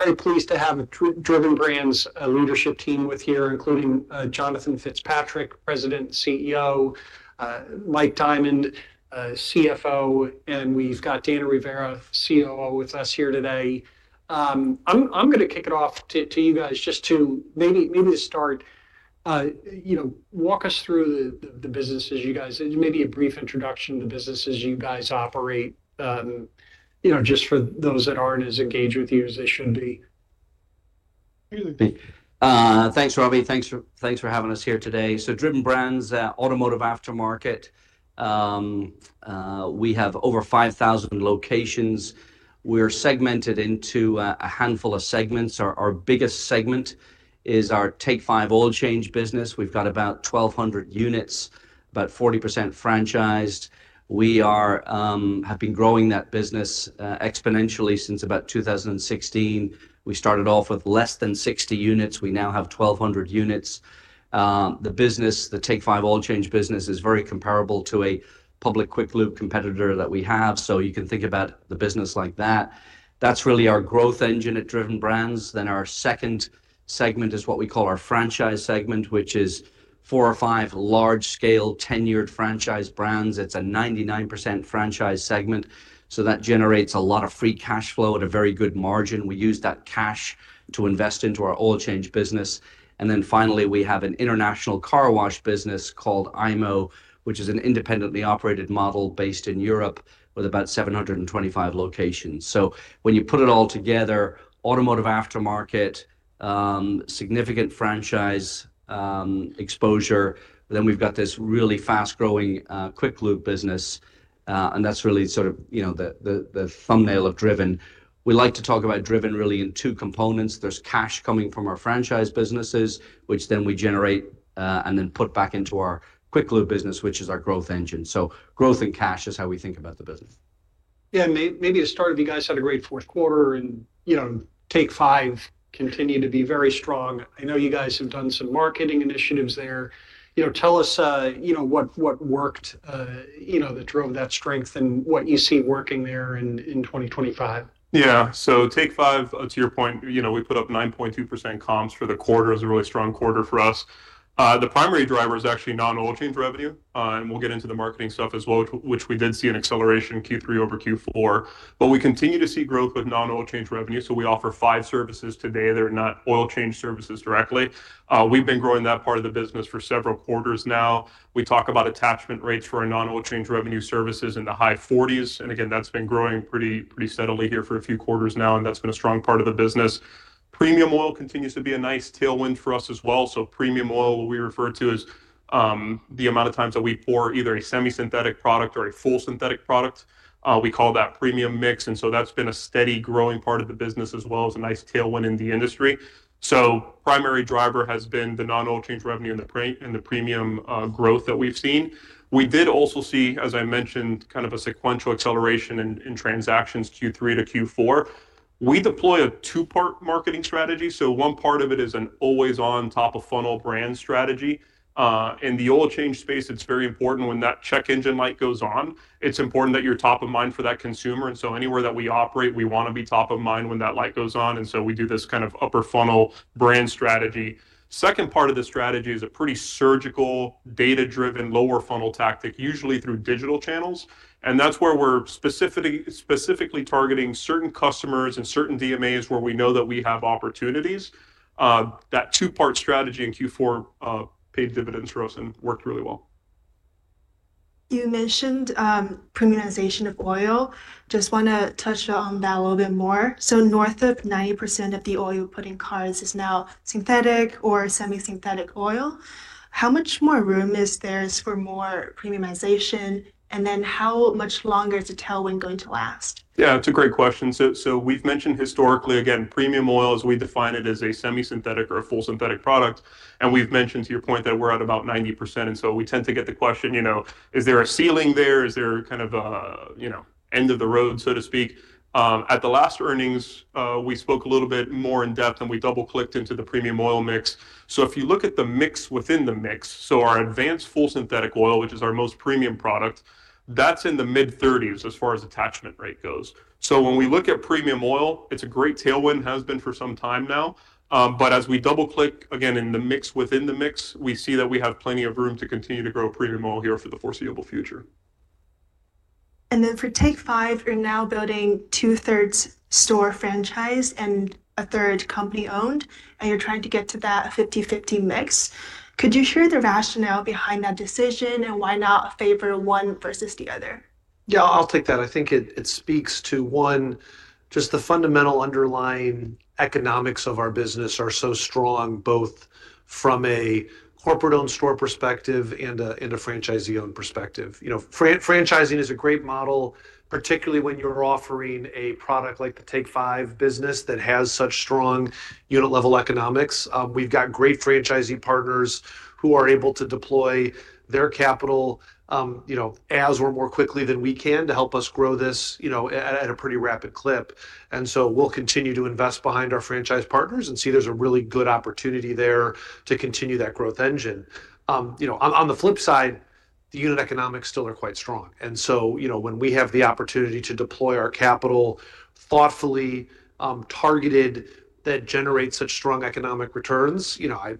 I'm pleased to have Driven Brands' leadership team with here, including Jonathan Fitzpatrick, President and CEO, Mike Diamond, CFO, and we've got Danny Rivera, COO, with us here today. I'm going to kick it off to you guys just to maybe start, walk us through the business as you guys, maybe a brief introduction to the business as you guys operate, just for those that aren't as engaged with you as they should be. Thanks, Robbie. Thanks for having us here today. Driven Brands, automotive aftermarket. We have over 5,000 locations. We're segmented into a handful of segments. Our biggest segment is our Take 5 Oil Change business. We've got about 1,200 units, about 40% franchised. We have been growing that business exponentially since about 2016. We started off with less than 60 units. We now have 1,200 units. The business, the Take 5 Oil Change business, is very comparable to a public quick lube competitor that we have. You can think about the business like that. That's really our growth engine at Driven Brands. Our second segment is what we call our franchise segment, which is four or five large-scale tenured franchise brands. It's a 99% franchise segment. That generates a lot of free cash flow at a very good margin. We use that cash to invest into our oil change business. Finally, we have an international car wash business called IMO, which is an independently operated model based in Europe with about 725 locations. When you put it all together, automotive aftermarket, significant franchise exposure, then we've got this really fast-growing quick lube business. That's really sort of the thumbnail of Driven. We like to talk about Driven really in two components. There's cash coming from our franchise businesses, which then we generate and then put back into our quick lube business, which is our growth engine. Growth and cash is how we think about the business. Yeah. Maybe to start, you guys had a great fourth quarter and Take 5 continued to be very strong. I know you guys have done some marketing initiatives there. Tell us what worked that drove that strength and what you see working there in 2025. Yeah. So Take 5, to your point, we put up 9.2% comps for the quarter. It was a really strong quarter for us. The primary driver is actually non-oil change revenue. We will get into the marketing stuff as well, which we did see an acceleration Q3 over Q4. We continue to see growth with non-oil change revenue. We offer five services today that are not oil change services directly. We have been growing that part of the business for several quarters now. We talk about attachment rates for our non-oil change revenue services in the high 40s. That has been growing pretty steadily here for a few quarters now. That has been a strong part of the business. Premium oil continues to be a nice tailwind for us as well. Premium oil, we refer to as the amount of times that we pour either a semi-synthetic product or a full synthetic product. We call that premium mix. That has been a steady growing part of the business as well as a nice tailwind in the industry. The primary driver has been the non-oil change revenue and the premium growth that we've seen. We did also see, as I mentioned, kind of a sequential acceleration in transactions Q3 to Q4. We deploy a two-part marketing strategy. One part of it is an always-on, top-of-funnel brand strategy. In the oil change space, it's very important when that check engine light goes on, it's important that you're top of mind for that consumer. Anywhere that we operate, we want to be top of mind when that light goes on. We do this kind of upper-funnel brand strategy. The second part of the strategy is a pretty surgical, data-driven lower-funnel tactic, usually through digital channels. That is where we are specifically targeting certain customers and certain DMAs where we know that we have opportunities. That two-part strategy in Q4 paid dividends, so it, worked really well. You mentioned premiumization of oil. Just want to touch on that a little bit more. North of 90% of the oil you put in cars is now synthetic or semi-synthetic oil. How much more room is there for more premiumization? How much longer is the tailwind going to last? Yeah, it's a great question. We've mentioned historically, again, premium oils, we define it as a semi-synthetic or a full synthetic product. We've mentioned to your point that we're at about 90%. We tend to get the question, is there a ceiling there? Is there kind of an end of the road, so to speak? At the last earnings, we spoke a little bit more in depth, and we double-clicked into the premium oil mix. If you look at the mix within the mix, our advanced full synthetic oil, which is our most premium product, that's in the mid-30s as far as attachment rate goes. When we look at premium oil, it's a great tailwind, has been for some time now. As we double-click, again, in the mix within the mix, we see that we have plenty of room to continue to grow premium oil here for the foreseeable future. For Take 5, you're now building two-thirds store franchise and a third company-owned, and you're trying to get to that 50/50 mix. Could you share the rationale behind that decision and why not favor one versus the other? Yeah, I'll take that. I think it speaks to, one, just the fundamental underlying economics of our business are so strong both from a corporate-owned store perspective and a franchisee-owned perspective. Franchising is a great model, particularly when you're offering a product like the Take 5 business that has such strong unit-level economics. We've got great franchisee partners who are able to deploy their capital as or more quickly than we can to help us grow this at a pretty rapid clip. We will continue to invest behind our franchise partners and see there's a really good opportunity there to continue that growth engine. On the flip side, the unit economics still are quite strong. When we have the opportunity to deploy our capital thoughtfully, targeted, that generates such strong economic returns,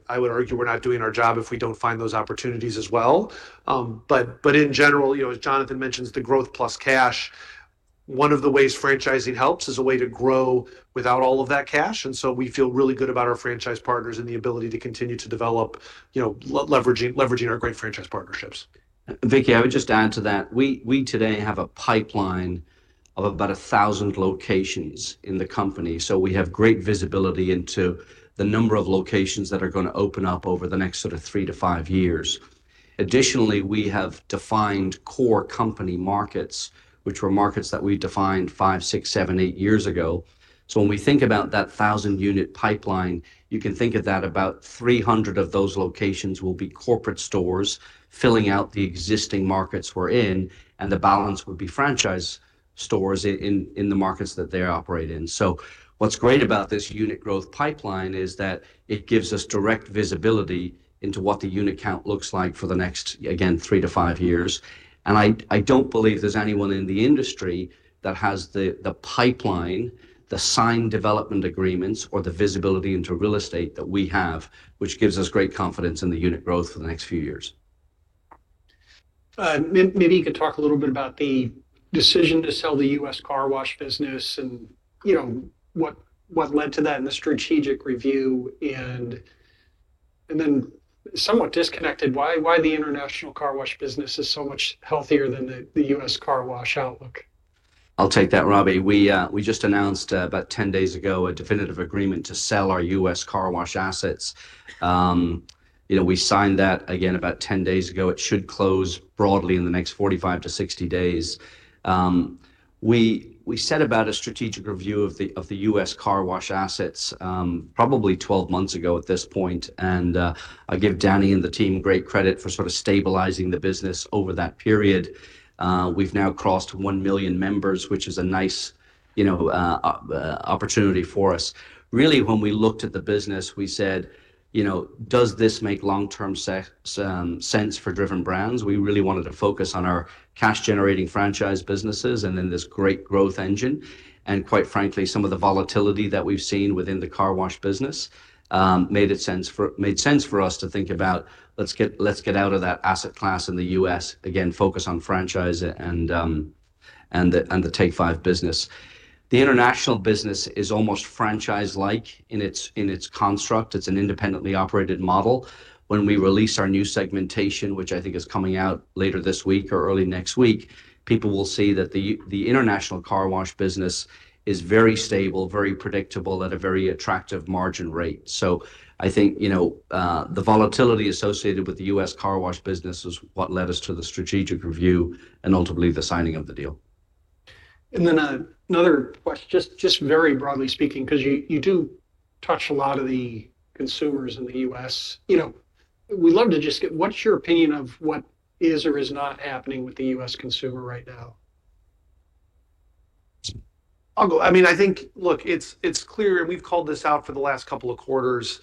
I would argue we're not doing our job if we don't find those opportunities as well. In general, as Jonathan mentioned, the growth plus cash, one of the ways franchising helps is a way to grow without all of that cash. We feel really good about our franchise partners and the ability to continue to develop, leveraging our great franchise partnerships. I think, I would just add to that. We today have a pipeline of about 1,000 locations in the company. We have great visibility into the number of locations that are going to open up over the next sort of 3-5 years. Additionally, we have defined core company markets, which were markets that we defined five, six, seven, eight years ago. When we think about that 1,000-unit pipeline, you can think of that about 300 of those locations will be corporate stores filling out the existing markets we're in, and the balance would be franchise stores in the markets that they operate in. What's great about this unit growth pipeline is that it gives us direct visibility into what the unit count looks like for the next, again, 3-5 years. I don't believe there's anyone in the industry that has the pipeline, the signed development agreements, or the visibility into real estate that we have, which gives us great confidence in the unit growth for the next few years. Maybe you could talk a little bit about the decision to sell the U.S. car wash business and what led to that and the strategic review. Then somewhat disconnected, why the international car wash business is so much healthier than the U.S. car wash outlook? I'll take that, Robbie. We just announced about 10 days ago a definitive agreement to sell our U.S. car wash assets. We signed that, again, about 10 days ago. It should close broadly in the next 45-60 days. We set about a strategic review of the U.S. car wash assets probably 12 months ago at this point. I give Danny and the team great credit for sort of stabilizing the business over that period. We've now crossed 1 million members, which is a nice opportunity for us. Really, when we looked at the business, we said, "Does this make long-term sense for Driven Brands?" We really wanted to focus on our cash-generating franchise businesses and then this great growth engine. Quite frankly, some of the volatility that we've seen within the car wash business made sense for us to think about, "Let's get out of that asset class in the U.S., again, focus on franchise and the Take 5 business." The international business is almost franchise-like in its construct. It's an independently operated model. When we release our new segmentation, which I think is coming out later this week or early next week, people will see that the international car wash business is very stable, very predictable at a very attractive margin rate. I think the volatility associated with the US car wash business is what led us to the strategic review and ultimately the signing of the deal. Another question, just very broadly speaking, because you do touch a lot of the consumers in the U.S. We'd love to just get, what's your opinion of what is or is not happening with the U.S. consumer right now? I mean, I think, look, it's clear, and we've called this out for the last couple of quarters.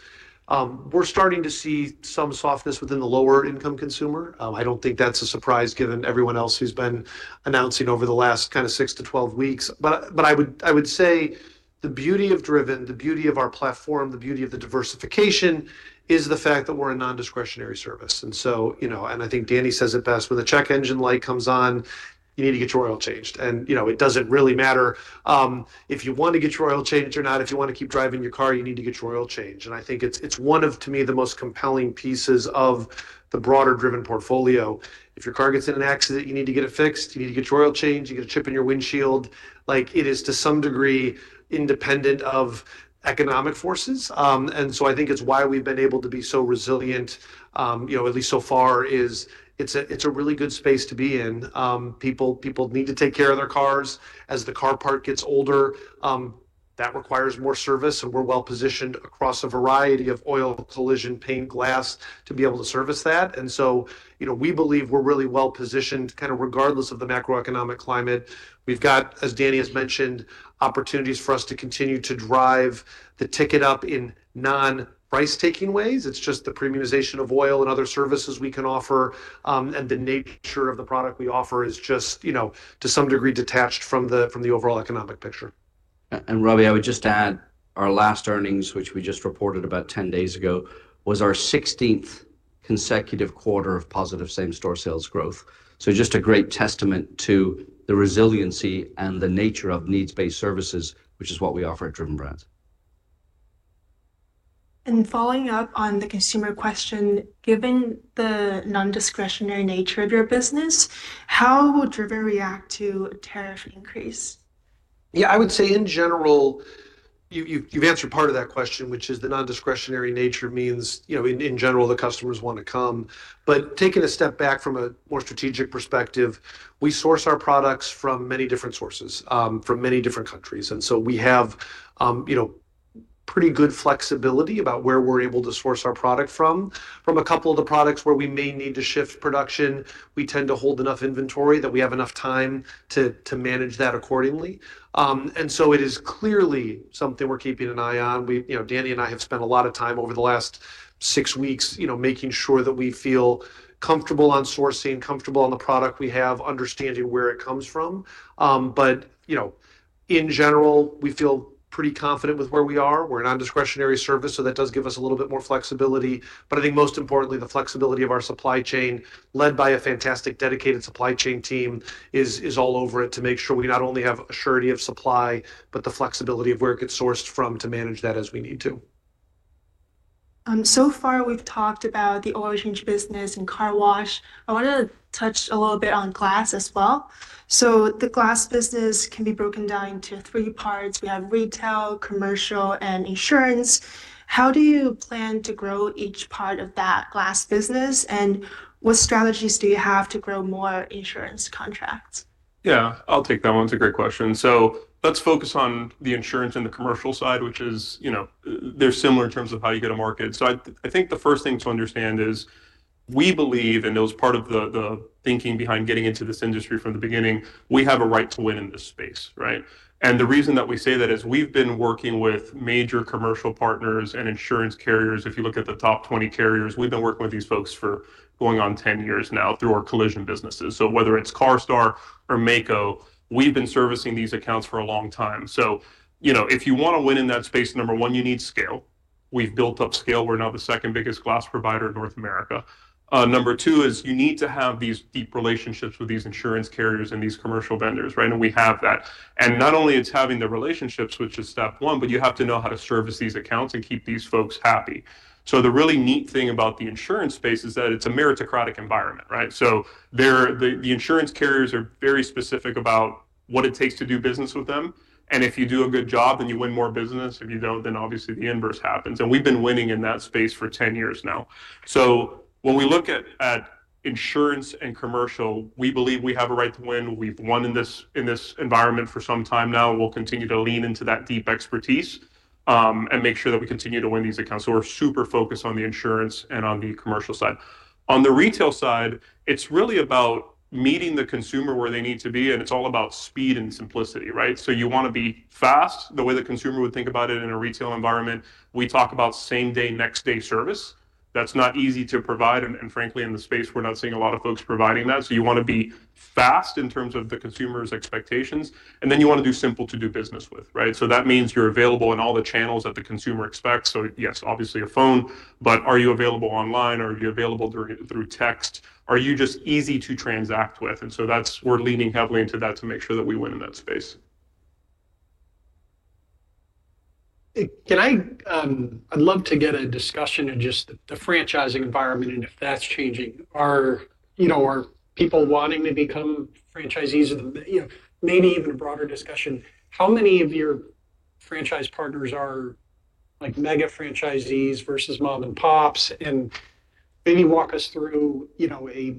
We're starting to see some softness within the lower-income consumer. I don't think that's a surprise given everyone else who's been announcing over the last kind of 6 to 12 weeks. I would say the beauty of Driven, the beauty of our platform, the beauty of the diversification is the fact that we're a non-discretionary service. I think Danny says it best, "When the check engine light comes on, you need to get your oil changed." It does not really matter if you want to get your oil changed or not. If you want to keep driving your car, you need to get your oil changed. I think it is one of, to me, the most compelling pieces of the broader Driven portfolio. If your car gets in an accident, you need to get it fixed. You need to get your oil changed. You get a chip in your windshield. It is, to some degree, independent of economic forces. I think it is why we have been able to be so resilient, at least so far, because it is a really good space to be in. People need to take care of their cars. As the car part gets older, that requires more service. We are well-positioned across a variety of oil, collision, paint, and glass to be able to service that. We believe we are really well-positioned kind of regardless of the macroeconomic climate. We have, as Danny has mentioned, opportunities for us to continue to drive the ticket up in non-price-taking ways. It is just the premiumization of oil and other services we can offer. The nature of the product we offer is just, to some degree, detached from the overall economic picture. Robbie, I would just add our last earnings, which we just reported about 10 days ago, was our 16th consecutive quarter of positive same-store sales growth. Just a great testament to the resiliency and the nature of needs-based services, which is what we offer at Driven Brands. Following up on the consumer question, given the non-discretionary nature of your business, how will Driven react to a tariff increase? Yeah, I would say in general, you've answered part of that question, which is the non-discretionary nature means, in general, the customers want to come. Taking a step back from a more strategic perspective, we source our products from many different sources, from many different countries. We have pretty good flexibility about where we're able to source our product from. For a couple of the products where we may need to shift production, we tend to hold enough inventory that we have enough time to manage that accordingly. It is clearly something we're keeping an eye on. Danny and I have spent a lot of time over the last six weeks making sure that we feel comfortable on sourcing, comfortable on the product we have, understanding where it comes from. In general, we feel pretty confident with where we are. We're a non-discretionary service, so that does give us a little bit more flexibility. I think most importantly, the flexibility of our supply chain led by a fantastic dedicated supply chain team is all over it to make sure we not only have assurity of supply, but the flexibility of where it gets sourced from to manage that as we need to. So far, we've talked about the oil change business and car wash. I want to touch a little bit on glass as well. The glass business can be broken down into three parts. We have retail, commercial, and insurance. How do you plan to grow each part of that glass business? What strategies do you have to grow more insurance contracts? Yeah, I'll take that one. It's a great question. Let's focus on the insurance and the commercial side, which is they're similar in terms of how you get a market. I think the first thing to understand is we believe, and it was part of the thinking behind getting into this industry from the beginning, we have a right to win in this space, right? The reason that we say that is we've been working with major commercial partners and insurance carriers. If you look at the top 20 carriers, we've been working with these folks for going on 10 years now through our collision businesses. Whether it's CARSTAR or Maaco, we've been servicing these accounts for a long time. If you want to win in that space, number one, you need scale. We've built up scale. We're now the second biggest glass provider in North America. Number two is you need to have these deep relationships with these insurance carriers and these commercial vendors, right? We have that. Not only is having the relationships, which is step one, but you have to know how to service these accounts and keep these folks happy. The really neat thing about the insurance space is that it's a meritocratic environment, right? The insurance carriers are very specific about what it takes to do business with them. If you do a good job, then you win more business. If you don't, then obviously the inverse happens. We've been winning in that space for 10 years now. When we look at insurance and commercial, we believe we have a right to win. We've won in this environment for some time now. We'll continue to lean into that deep expertise and make sure that we continue to win these accounts. We're super focused on the insurance and on the commercial side. On the retail side, it's really about meeting the consumer where they need to be. It's all about speed and simplicity, right? You want to be fast. The way the consumer would think about it in a retail environment, we talk about same-day, next-day service. That's not easy to provide. Frankly, in the space, we're not seeing a lot of folks providing that. You want to be fast in terms of the consumer's expectations. You want to be simple to do business with, right? That means you're available in all the channels that the consumer expects. Yes, obviously a phone, but are you available online? Are you available through text? Are you just easy to transact with? We're leaning heavily into that to make sure that we win in that space. I'd love to get a discussion of just the franchising environment and if that's changing. Are people wanting to become franchisees? Maybe even a broader discussion. How many of your franchise partners are mega franchisees versus mom-and-pops? Maybe walk us through a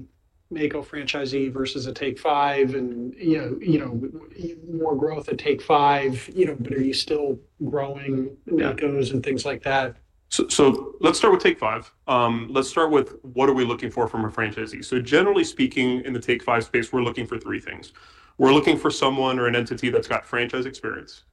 Meineke franchisee versus a Take 5 and more growth at Take 5. Are you still growing Meineke and things like that? Let's start with Take 5. Let's start with what are we looking for from a franchisee? Generally speaking, in the Take 5 space, we're looking for three things. We're looking for someone or an entity that's got franchise experience.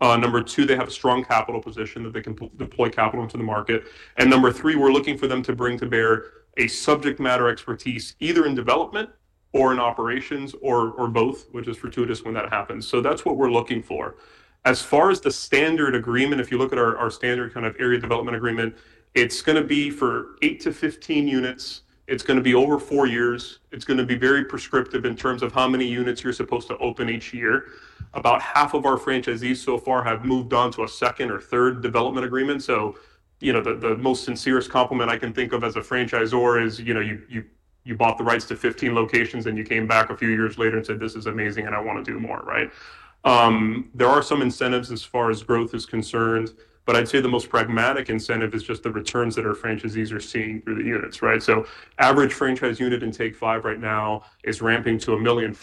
Number two, they have a strong capital position that they can deploy capital into the market. Number three, we're looking for them to bring to bear a subject matter expertise either in development or in operations or both, which is fortuitous when that happens. That's what we're looking for. As far as the standard agreement, if you look at our standard kind of area development agreement, it's going to be for 8-15 units. It's going to be over four years. It's going to be very prescriptive in terms of how many units you're supposed to open each year. About half of our franchisees so far have moved on to a second or third development agreement. The most sincerest compliment I can think of as a franchisor is you bought the rights to 15 locations, and you came back a few years later and said, "This is amazing, and I want to do more," right? There are some incentives as far as growth is concerned, but I'd say the most pragmatic incentive is just the returns that our franchisees are seeing through the units, right? Average franchise unit in Take 5 right now is ramping to $1.5 million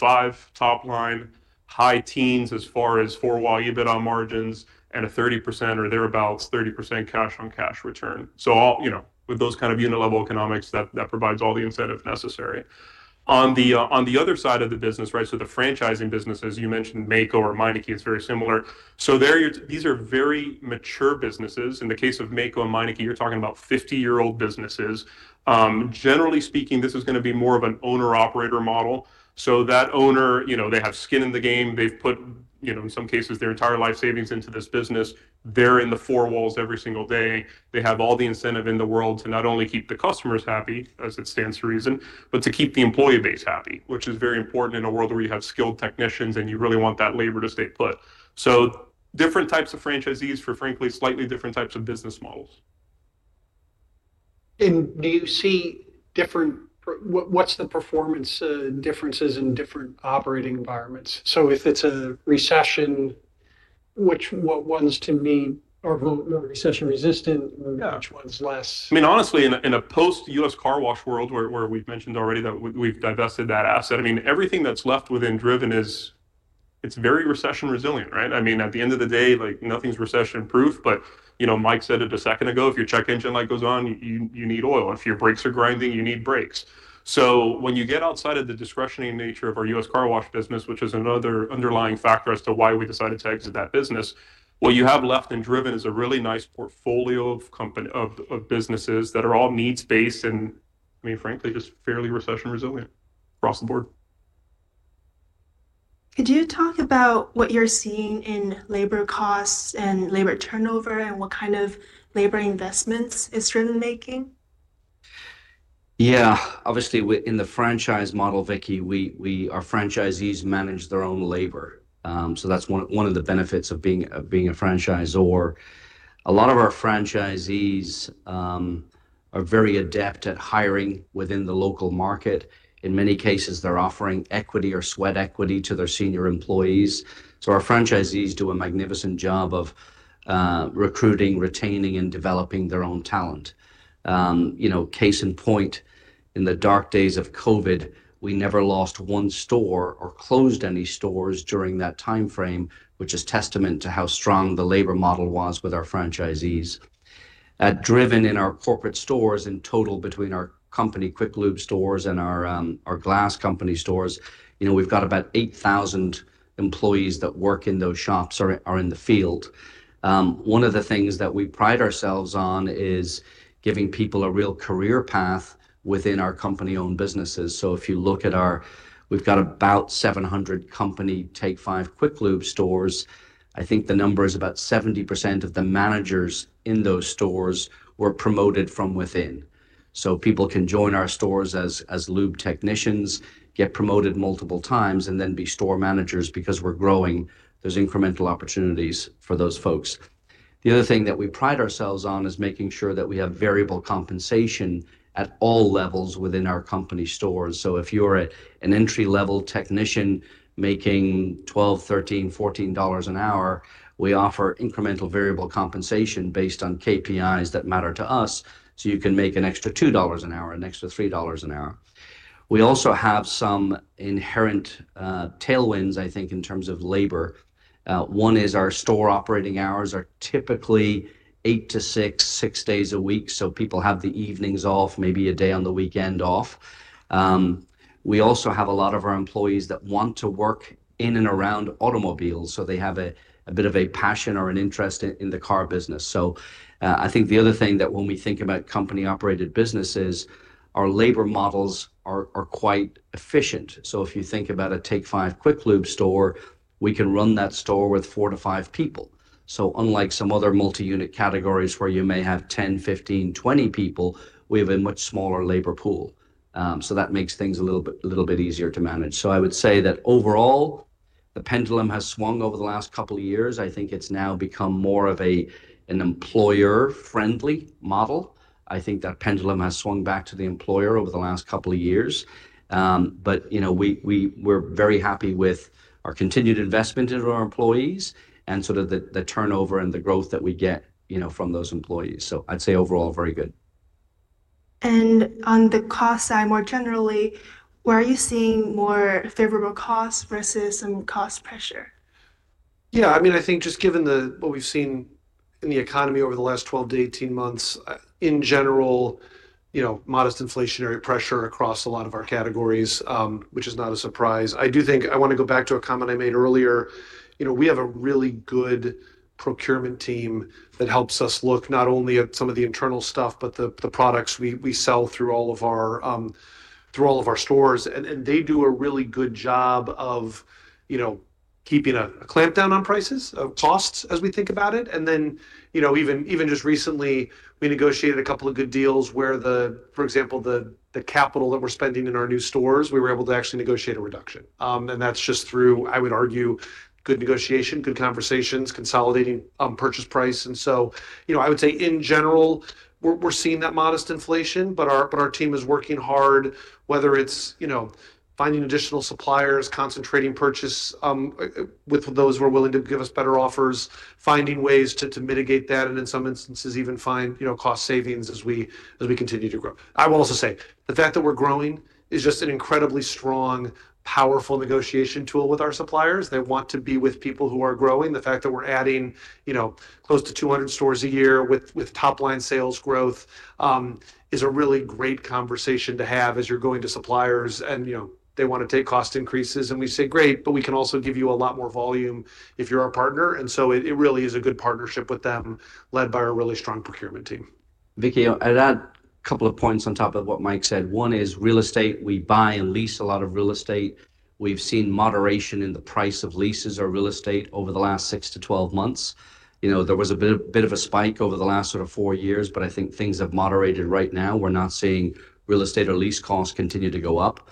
top line, high teens as far as four-wall EBITDA margins, and a 30% or thereabouts 30% cash-on-cash return. With those kind of unit-level economics, that provides all the incentive necessary. On the other side of the business, right? The franchising business, as you mentioned, Meineke, it's very similar. These are very mature businesses. In the case of Meineke, you're talking about 50-year-old businesses. Generally speaking, this is going to be more of an owner-operator model. That owner, they have skin in the game. They've put, in some cases, their entire life savings into this business. They're in the four walls every single day. They have all the incentive in the world to not only keep the customers happy, as it stands to reason, but to keep the employee base happy, which is very important in a world where you have skilled technicians and you really want that labor to stay put. Different types of franchisees for, frankly, slightly different types of business models. Do you see different, what's the performance differences in different operating environments? If it's a recession, which ones, I mean, are more recession-resistant, which ones less? I mean, honestly, in a post-U.S. car wash world where we've mentioned already that we've divested that asset, I mean, everything that's left within Driven is it's very recession-resilient, right? I mean, at the end of the day, nothing's recession-proof. Mike said it a second ago, "If your check engine light goes on, you need oil. If your brakes are grinding, you need brakes." When you get outside of the discretionary nature of our U.S. car wash business, which is another underlying factor as to why we decided to exit that business, what you have left in Driven is a really nice portfolio of businesses that are all needs-based and, I mean, frankly, just fairly recession-resilient across the board. Could you talk about what you're seeing in labor costs and labor turnover and what kind of labor investments is Driven making? Yeah. Obviously, in the franchise model, our franchisees manage their own labor. That is one of the benefits of being a franchisor. A lot of our franchisees are very adept at hiring within the local market. In many cases, they are offering equity or sweat equity to their senior employees. Our franchisees do a magnificent job of recruiting, retaining, and developing their own talent. Case in point, in the dark days of COVID, we never lost one store or closed any stores during that timeframe, which is testament to how strong the labor model was with our franchisees. At Driven, in our corporate stores in total between our company quick lube stores and our glass company stores, we have about 8,000 employees that work in those shops or are in the field. One of the things that we pride ourselves on is giving people a real career path within our company-owned businesses. If you look at our, we've got about 700 company Take 5 quick lube stores. I think the number is about 70% of the managers in those stores were promoted from within. People can join our stores as lube technicians, get promoted multiple times, and then be store managers because we're growing. There are incremental opportunities for those folks. The other thing that we pride ourselves on is making sure that we have variable compensation at all levels within our company stores. If you're an entry-level technician making $12, $13, $14 an hour, we offer incremental variable compensation based on KPIs that matter to us. You can make an extra $2 an hour, an extra $3 an hour. We also have some inherent tailwinds, I think, in terms of labor. One is our store operating hours are typically 8:00 A.M-6:00 P.M., six days a week. So people have the evenings off, maybe a day on the weekend off. We also have a lot of our employees that want to work in and around automobiles. So they have a bit of a passion or an interest in the car business. I think the other thing that when we think about company-operated businesses, our labor models are quite efficient. If you think about a Take 5 Oil Change store, we can run that store with four to five people. Unlike some other multi-unit categories where you may have 10, 15, 20 people, we have a much smaller labor pool. That makes things a little bit easier to manage. I would say that overall, the pendulum has swung over the last couple of years. I think it's now become more of an employer-friendly model. I think that pendulum has swung back to the employer over the last couple of years. We're very happy with our continued investment in our employees and sort of the turnover and the growth that we get from those employees. I'd say overall, very good. On the cost side, more generally, where are you seeing more favorable costs versus some cost pressure? Yeah. I mean, I think just given what we've seen in the economy over the last 12-18 months, in general, modest inflationary pressure across a lot of our categories, which is not a surprise. I do think I want to go back to a comment I made earlier. We have a really good procurement team that helps us look not only at some of the internal stuff, but the products we sell through all of our stores. They do a really good job of keeping a clamp down on prices, costs as we think about it. Even just recently, we negotiated a couple of good deals where, for example, the capital that we're spending in our new stores, we were able to actually negotiate a reduction. That's just through, I would argue, good negotiation, good conversations, consolidating purchase price. I would say, in general, we're seeing that modest inflation, but our team is working hard, whether it's finding additional suppliers, concentrating purchase with those who are willing to give us better offers, finding ways to mitigate that, and in some instances, even find cost savings as we continue to grow. I will also say the fact that we're growing is just an incredibly strong, powerful negotiation tool with our suppliers. They want to be with people who are growing. The fact that we're adding close to 200 stores a year with top-line sales growth is a really great conversation to have as you're going to suppliers. They want to take cost increases. We say, "Great, but we can also give you a lot more volume if you're our partner." It really is a good partnership with them led by a really strong procurement team. I'd add a couple of points on top of what Mike said. One is real estate. We buy and lease a lot of real estate. We've seen moderation in the price of leases or real estate over the last 6-12 months. There was a bit of a spike over the last sort of four years, but I think things have moderated right now. We're not seeing real estate or lease costs continue to go up.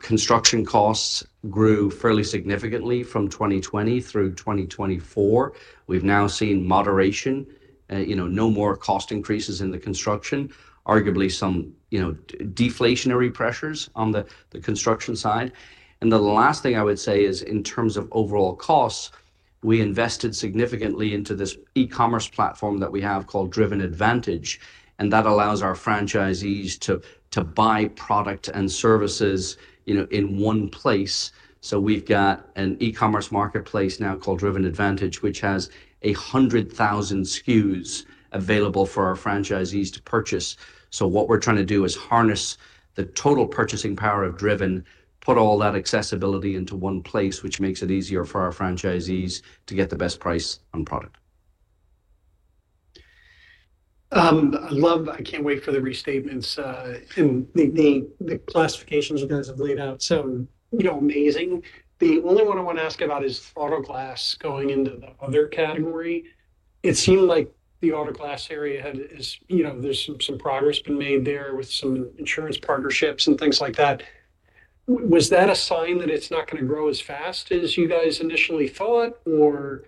Construction costs grew fairly significantly from 2020 through 2024. We've now seen moderation, no more cost increases in the construction, arguably some deflationary pressures on the construction side. The last thing I would say is in terms of overall costs, we invested significantly into this e-commerce platform that we have called Driven Advantage. That allows our franchisees to buy product and services in one place. We've got an e-commerce marketplace now called Driven Advantage, which has 100,000 SKUs available for our franchisees to purchase. What we're trying to do is harness the total purchasing power of Driven, put all that accessibility into one place, which makes it easier for our franchisees to get the best price on product. I can't wait for the restatements and the classifications you guys have laid out. So amazing. The only one I want to ask about is auto glass going into the other category. It seemed like the auto glass area has there's some progress been made there with some insurance partnerships and things like that. Was that a sign that it's not going to grow as fast as you guys initially thought, or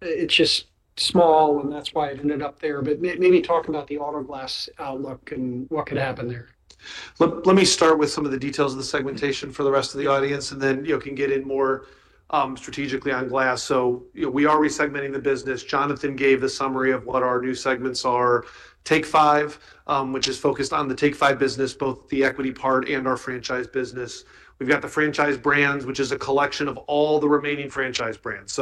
it's just small and that's why it ended up there? Maybe talk about the auto glass outlook and what could happen there. Let me start with some of the details of the segmentation for the rest of the audience, and then you can get in more strategically on glass. We are resegmenting the business. Jonathan gave the summary of what our new segments are. Take 5, which is focused on the Take 5 business, both the equity part and our franchise business. We have the franchise brands, which is a collection of all the remaining franchise brands.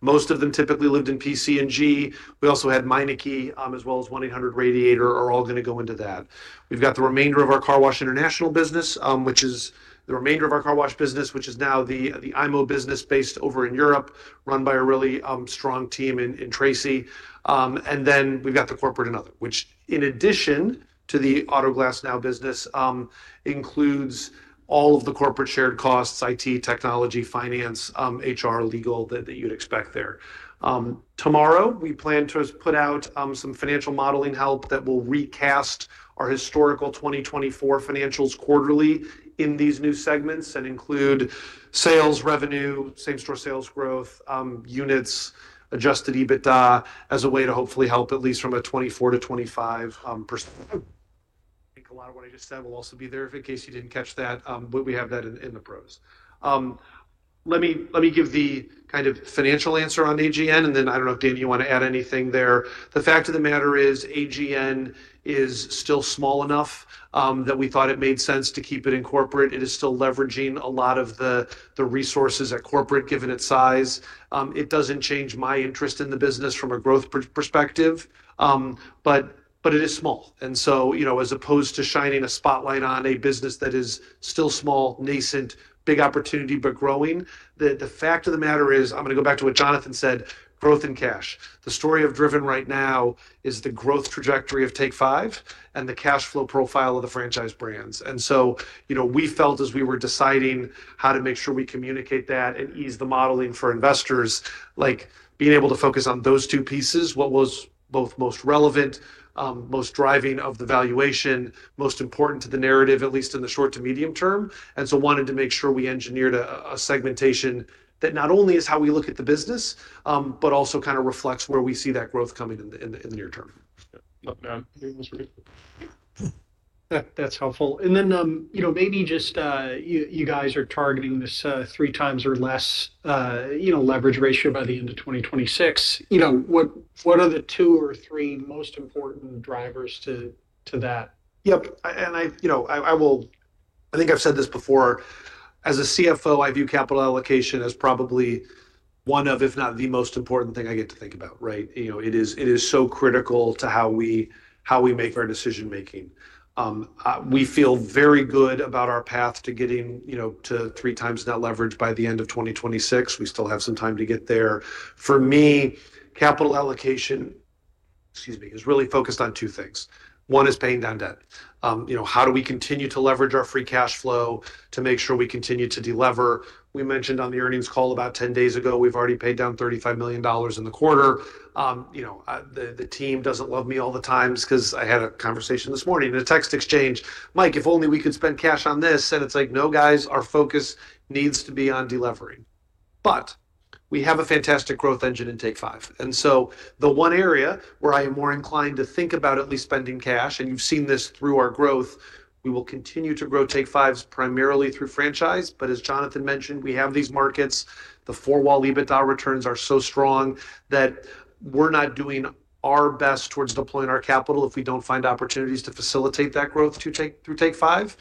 Most of them typically lived in PC&G. We also had Meineke as well as 1-800-Radiator & A/C are all going to go into that. We have the remainder of our car wash international business, which is the remainder of our car wash business, which is now the IMO business based over in Europe, run by a really strong team in Tracy. We have the corporate and other, which in addition to the Auto Glass Now business, includes all of the corporate shared costs, IT, technology, finance, HR, legal that you'd expect there. Tomorrow, we plan to put out some financial modeling help that will recast our historical 2024 financials quarterly in these new segments and include sales, revenue, same-store sales growth, units, adjusted EBITDA as a way to hopefully help at least from a 24% -25%. I think a lot of what I just said will also be there if in case you didn't catch that. We have that in the pros. Let me give the kind of financial answer on AGN, and then I don't know if, Danny, you want to add anything there. The fact of the matter is AGN is still small enough that we thought it made sense to keep it in corporate. It is still leveraging a lot of the resources at corporate given its size. It doesn't change my interest in the business from a growth perspective, but it is small. As opposed to shining a spotlight on a business that is still small, nascent, big opportunity, but growing, the fact of the matter is I'm going to go back to what Jonathan said, growth and cash. The story of Driven right now is the growth trajectory of Take 5 and the cash flow profile of the franchise brands. We felt as we were deciding how to make sure we communicate that and ease the modeling for investors, like being able to focus on those two pieces, what was both most relevant, most driving of the valuation, most important to the narrative, at least in the short to medium term. We wanted to make sure we engineered a segmentation that not only is how we look at the business, but also kind of reflects where we see that growth coming in the near term. That's helpful. Maybe just you guys are targeting this three times or less leverage ratio by the end of 2026. What are the two or three most important drivers to that? Yep. I think I've said this before, as a CFO, I view capital allocation as probably one of, if not the most important thing I get to think about, right? It is so critical to how we make our decision-making. We feel very good about our path to getting to three times that leverage by the end of 2026. We still have some time to get there. For me, capital allocation, excuse me, is really focused on two things. One is paying down debt. How do we continue to leverage our free cash flow to make sure we continue to deliver? We mentioned on the earnings call about 10 days ago, we've already paid down $35 million in the quarter. The team doesn't love me all the times because I had a conversation this morning in a text exchange. Mike, if only we could spend cash on this. It's like, no, guys, our focus needs to be on delivering. We have a fantastic growth engine in Take 5. The one area where I am more inclined to think about at least spending cash, and you've seen this through our growth, we will continue to grow Take 5s primarily through franchise. As Jonathan mentioned, we have these markets. The four-wall EBITDA returns are so strong that we're not doing our best towards deploying our capital if we don't find opportunities to facilitate that growth through Take 5.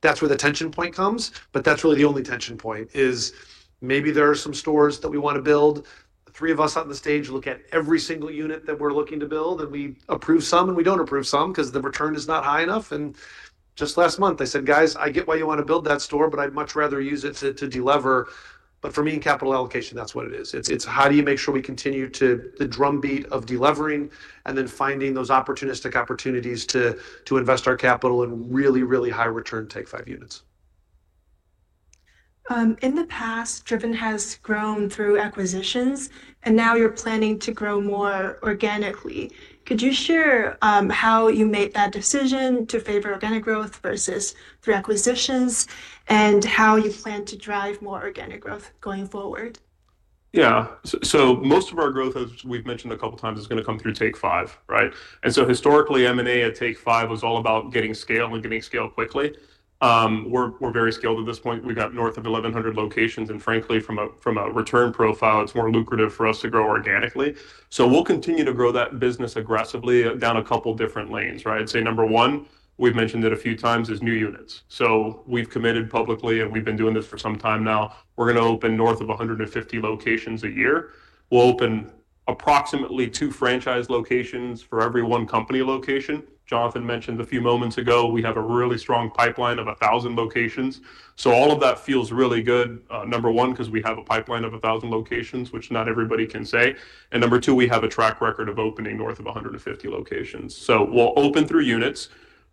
That's where the tension point comes. That's really the only tension point, is maybe there are some stores that we want to build. The three of us on the stage look at every single unit that we're looking to build, and we approve some, and we don't approve some because the return is not high enough. Just last month, I said, "Guys, I get why you want to build that store, but I'd much rather use it to deliver." For me, in capital allocation, that's what it is. It's how do you make sure we continue to the drumbeat of delivering and then finding those opportunistic opportunities to invest our capital in really, really high-return Take 5 units. In the past, Driven has grown through acquisitions, and now you're planning to grow more organically. Could you share how you made that decision to favor organic growth versus through acquisitions and how you plan to drive more organic growth going forward? Yeah. Most of our growth, as we've mentioned a couple of times, is going to come through Take 5, right? Historically, M&A at Take 5 was all about getting scale and getting scale quickly. We're very scaled at this point. We've got north of 1,100 locations. Frankly, from a return profile, it's more lucrative for us to grow organically. We'll continue to grow that business aggressively down a couple of different lanes, right? I'd say number one, we've mentioned it a few times, is new units. We've committed publicly, and we've been doing this for some time now. We're going to open north of 150 locations a year. We'll open approximately two franchise locations for every one company location. Jonathan mentioned a few moments ago, we have a really strong pipeline of 1,000 locations. All of that feels really good, number one, because we have a pipeline of 1,000 locations, which not everybody can say. Number two, we have a track record of opening north of 150 locations. We will open through units.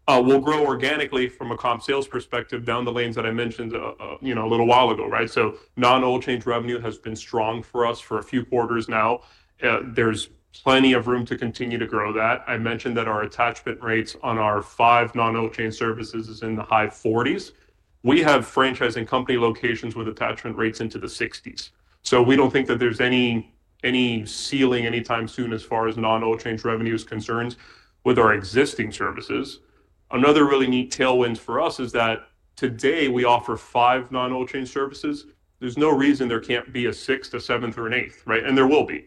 We will grow organically from a comp sales perspective down the lanes that I mentioned a little while ago, right? Non-oil change revenue has been strong for us for a few quarters now. There is plenty of room to continue to grow that. I mentioned that our attachment rates on our five non-oil change services is in the high 40s. We have franchising company locations with attachment rates into the 60s. We do not think that there is any ceiling anytime soon as far as non-oil change revenue is concerned with our existing services. Another really neat tailwind for us is that today we offer five non-oil change services. There's no reason there can't be a sixth, a seventh, or an eighth, right? There will be.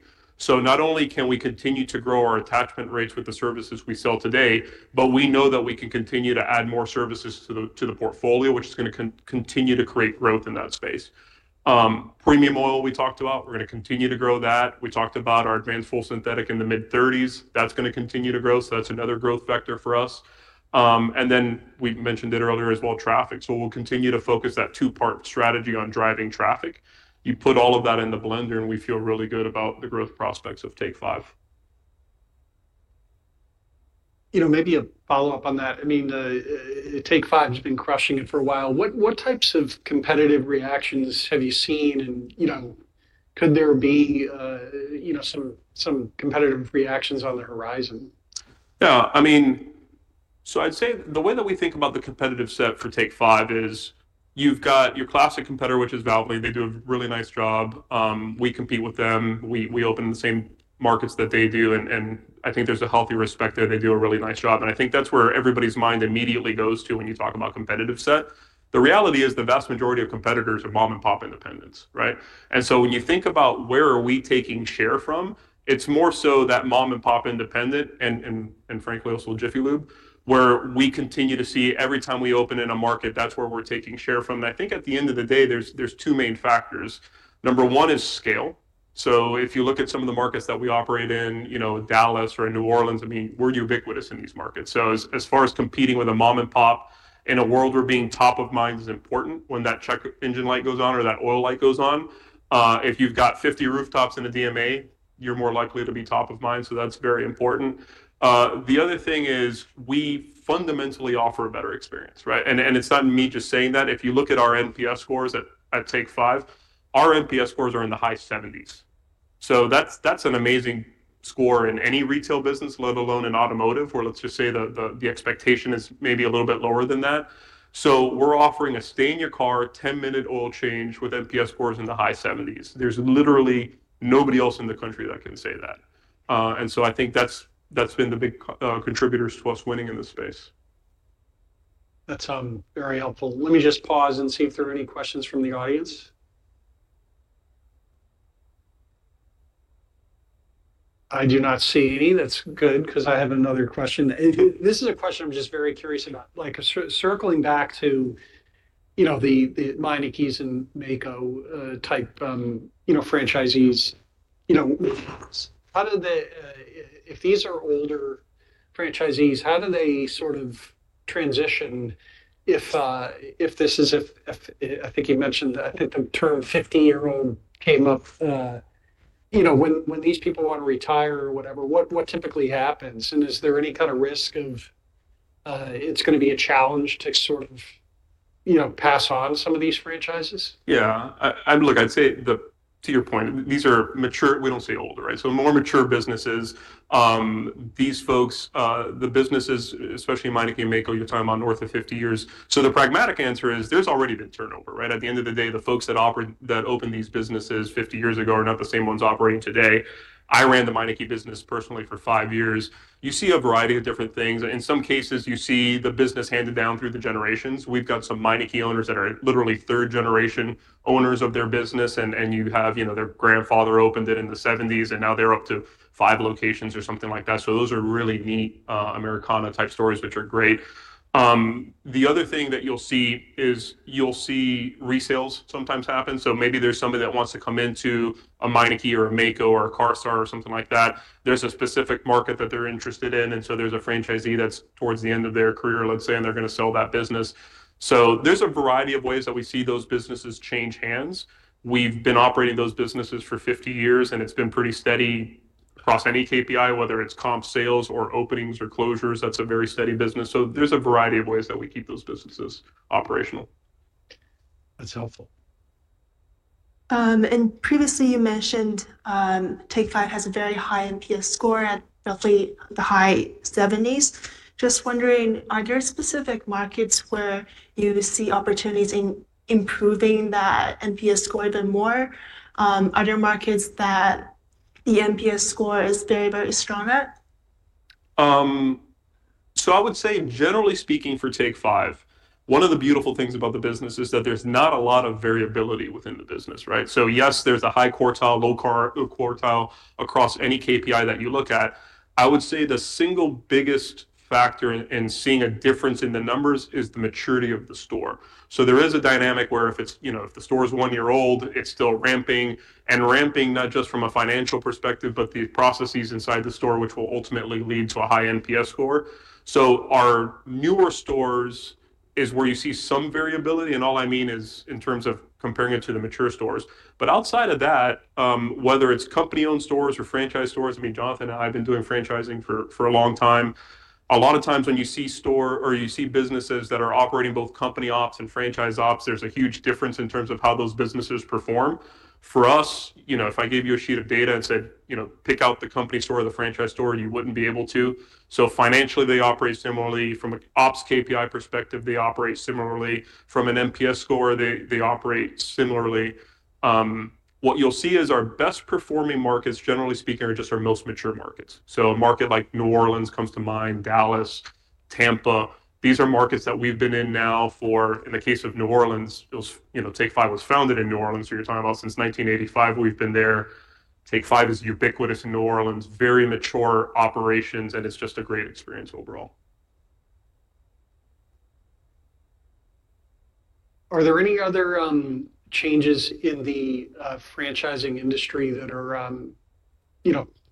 Not only can we continue to grow our attachment rates with the services we sell today, but we know that we can continue to add more services to the portfolio, which is going to continue to create growth in that space. Premium oil we talked about. We're going to continue to grow that. We talked about our advanced full synthetic in the mid-30s. That's going to continue to grow. That's another growth vector for us. We mentioned it earlier as well, traffic. We'll continue to focus that two-part strategy on driving traffic. You put all of that in the blender, and we feel really good about the growth prospects of Take 5. Maybe a follow-up on that. I mean, Take 5 has been crushing it for a while. What types of competitive reactions have you seen? Could there be some competitive reactions on the horizon? Yeah. I mean, I'd say the way that we think about the competitive set for Take 5 is you've got your classic competitor, which is Valvoline. They do a really nice job. We compete with them. We open in the same markets that they do. I think there's a healthy respect there. They do a really nice job. I think that's where everybody's mind immediately goes to when you talk about competitive set. The reality is the vast majority of competitors are mom-and-pop independents, right? When you think about where are we taking share from, it's more so that mom-and-pop independent and, frankly, also Jiffy Lube, where we continue to see every time we open in a market, that's where we're taking share from. I think at the end of the day, there's two main factors. Number one is scale. If you look at some of the markets that we operate in, Dallas or New Orleans, I mean, we're ubiquitous in these markets. As far as competing with a mom-and-pop in a world where being top of mind is important when that check engine light goes on or that oil light goes on, if you've got 50 rooftops in a DMA, you're more likely to be top of mind. That's very important. The other thing is we fundamentally offer a better experience, right? It's not me just saying that. If you look at our NPS scores at Take 5, our NPS scores are in the high 70s. That's an amazing score in any retail business, let alone in automotive, where let's just say the expectation is maybe a little bit lower than that. We're offering a stay-in-your-car 10-minute oil change with NPS scores in the high 70s. There's literally nobody else in the country that can say that. I think that's been the big contributors to us winning in this space. That's very helpful. Let me just pause and see if there are any questions from the audience. I do not see any. That's good because I have another question. This is a question I'm just very curious about. Circling back to the Meineke and Maaco type franchisees, if these are older franchisees, how do they sort of transition if this is, I think you mentioned, I think the term 50-year-old came up. When these people want to retire or whatever, what typically happens? Is there any kind of risk of it's going to be a challenge to sort of pass on some of these franchises? Yeah. Look, I'd say to your point, these are mature. We do not say older, right? More mature businesses, these folks, the businesses, especially Meineke and Maaco, you are talking about north of 50 years. The pragmatic answer is there has already been turnover, right? At the end of the day, the folks that opened these businesses 50 years ago are not the same ones operating today. I ran the Meineke business personally for five years. You see a variety of different things. In some cases, you see the business handed down through the generations. We have some Meineke owners that are literally third-generation owners of their business. Their grandfather opened it in the 1970s, and now they are up to five locations or something like that. Those are really neat Americana-type stories, which are great. The other thing that you will see is you will see resales sometimes happen. Maybe there's somebody that wants to come into a Meineke or a Maaco or a CARSTAR or something like that. There's a specific market that they're interested in. There's a franchisee that's towards the end of their career, let's say, and they're going to sell that business. There's a variety of ways that we see those businesses change hands. We've been operating those businesses for 50 years, and it's been pretty steady across any KPI, whether it's comp sales or openings or closures. That's a very steady business. There's a variety of ways that we keep those businesses operational. That's helpful. Previously, you mentioned Take 5 has a very high NPS score at roughly the high 70s. Just wondering, are there specific markets where you see opportunities in improving that NPS score even more? Are there markets that the NPS score is very, very strong at? I would say, generally speaking, for Take 5, one of the beautiful things about the business is that there's not a lot of variability within the business, right? Yes, there's a high quartile, low quartile across any KPI that you look at. I would say the single biggest factor in seeing a difference in the numbers is the maturity of the store. There is a dynamic where if the store is one year old, it's still ramping and ramping not just from a financial perspective, but the processes inside the store, which will ultimately lead to a high NPS score. Our newer stores is where you see some variability. All I mean is in terms of comparing it to the mature stores. Outside of that, whether it's company-owned stores or franchise stores, I mean, Jonathan and I have been doing franchising for a long time. A lot of times when you see store or you see businesses that are operating both company ops and franchise ops, there's a huge difference in terms of how those businesses perform. For us, if I gave you a sheet of data and said, "Pick out the company store or the franchise store," you wouldn't be able to. So financially, they operate similarly. From an ops KPI perspective, they operate similarly. From an NPS score, they operate similarly. What you'll see is our best-performing markets, generally speaking, are just our most mature markets. A market like New Orleans comes to mind, Dallas, Tampa. These are markets that we've been in now for, in the case of New Orleans, Take 5 was founded in New Orleans. You're talking about since 1985, we've been there. Take 5 is ubiquitous in New Orleans, very mature operations, and it's just a great experience overall. Are there any other changes in the franchising industry that are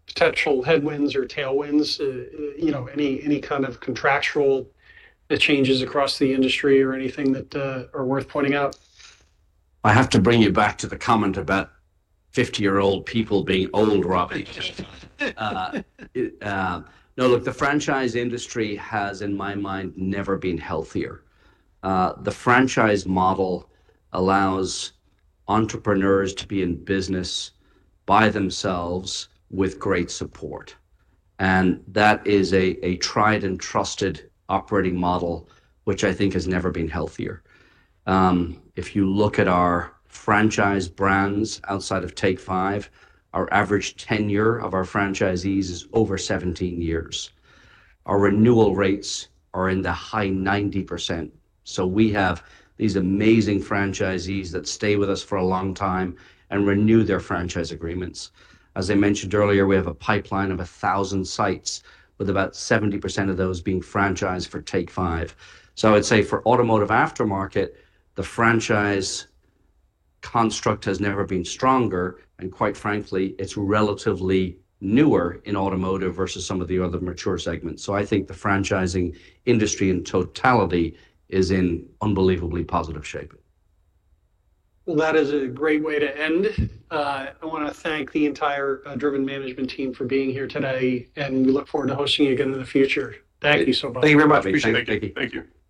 potential headwinds or tailwinds? Any kind of contractual changes across the industry or anything that are worth pointing out? I have to bring you back to the comment about 50-year-old people being old, Robbie. No, look, the franchise industry has, in my mind, never been healthier. The franchise model allows entrepreneurs to be in business by themselves with great support. That is a tried and trusted operating model, which I think has never been healthier. If you look at our franchise brands outside of Take 5, our average tenure of our franchisees is over 17 years. Our renewal rates are in the high 90%. We have these amazing franchisees that stay with us for a long time and renew their franchise agreements. As I mentioned earlier, we have a pipeline of 1,000 sites, with about 70% of those being franchised for Take 5. I would say for automotive aftermarket, the franchise construct has never been stronger. Quite frankly, it's relatively newer in automotive versus some of the other mature segments. I think the franchising industry in totality is in unbelievably positive shape. That is a great way to end. I want to thank the entire Driven Management team for being here today. We look forward to hosting you again in the future. Thank you so much. Thank you very much. Appreciate it. Thank you.